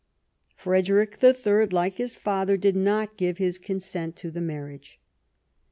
Frederick III, like his father, did not give his consent to the marriage.